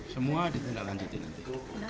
semua ditindaklanjuti nanti